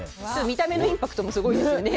見た目のインパクトもすごいですよね。